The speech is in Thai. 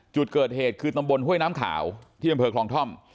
จุดเกิดเหตุคือตำบลห้วยน้ำขาวที่อำเภอคลองท่อม